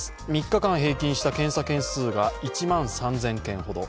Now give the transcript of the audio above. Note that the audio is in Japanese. ３日間平均した検査件数が１万３０００件ほど。